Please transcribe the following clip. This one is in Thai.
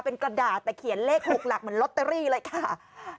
เป็นกระดาษแต่เขียนเลข๖หลักเหมือนลอตเตอรี่เลยค่ะ